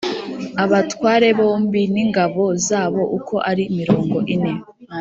abatware bombi n ingabo zabo uko ari mirongo ine